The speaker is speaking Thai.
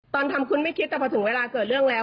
ตอนทำคุณไม่คิดแต่พอถึงเวลาเกิดเรื่องแล้ว